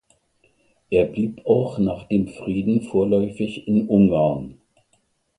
Er blieb auch nach dem Frieden vorläufig in Ungarn.